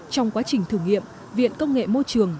trong quá trình thử nghiệm viện công nghệ môi trường